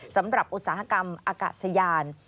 สำหรับอุตสาหกรรมอากาศยาน